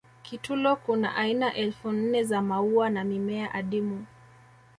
kitulo Kuna aina elfu nne za maua na mimea adimu